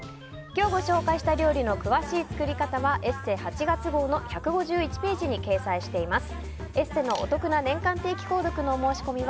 今日ご紹介した料理の詳しい作り方は「ＥＳＳＥ」８月号の１５１ページに掲載しています。